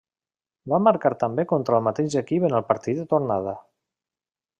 Va marcar també contra el mateix equip en el partit de tornada.